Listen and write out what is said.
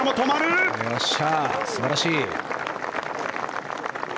素晴らしい。